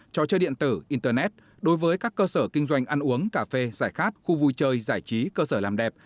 cho chơi điện tử internet đối với các cơ sở kinh doanh ăn uống cà phê giải khát khu vui chơi giải trí cơ sở làm đẹp